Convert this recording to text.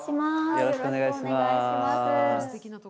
よろしくお願いします。